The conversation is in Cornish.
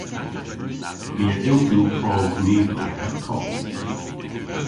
My a yll gul prov nivel heb kost.